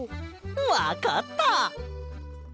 わかった！